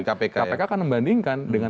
kpk kan membandingkan dengan